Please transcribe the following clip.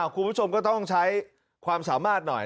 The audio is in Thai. คุณผู้ชมก็ต้องใช้ความสามารถหน่อย